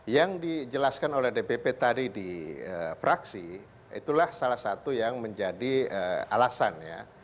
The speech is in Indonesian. yang dijelaskan oleh dpp tadi di fraksi itulah salah satu yang menjadi alasan ya